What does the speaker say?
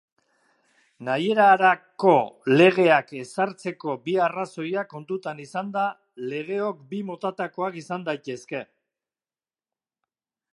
Nahierarako legeak ezartzeko bi arrazoiak kontuan izanda, legeok bi motatakoak izan daitezke.